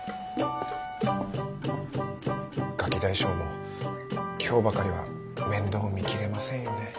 ガキ大将も今日ばかりは面倒見きれませんよね。